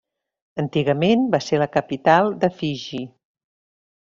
Antigament va ser la capital de Fiji.